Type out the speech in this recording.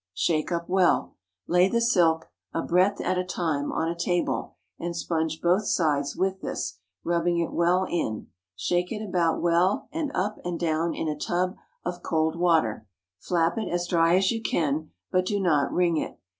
Shake up well; lay the silk, a breadth at a time, on a table, and sponge both sides with this, rubbing it well in; shake it about well and up and down in a tub of cold water; flap it as dry as you can, but do not wring it.